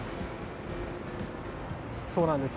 そうなんです。